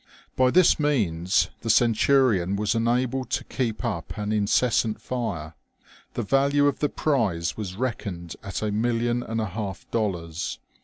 By this means the Centurion was enabled to keep up an incessant fire. The value of the prize was reckoned at a million and a half of dollars.